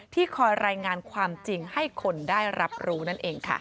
คอยรายงานความจริงให้คนได้รับรู้นั่นเองค่ะ